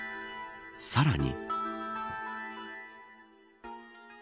さらに。